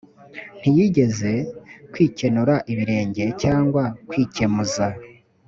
ntiyigeze kwikenura ibirenge cyangwa kwikemuza